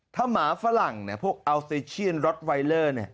ถ้าหมาฝรั่งพวกอัลเซเชียนรถไวเลอร์